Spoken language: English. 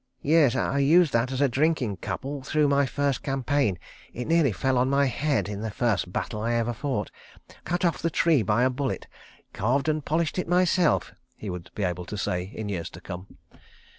... "Yes. I used that as a drinking cup all through my first campaign. It nearly fell on my head in the first battle I ever fought. Cut off the tree by a bullet. Carved and polished it myself," he would be able to say, in years to come.